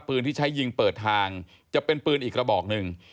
ที่ใช้ยิงเปิดทางจะเป็นปืนอีกระบอกหนึ่ง